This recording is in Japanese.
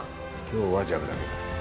今日はジャブだけ。